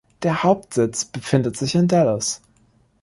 Der Hauptsitz befindet sich in Dallas.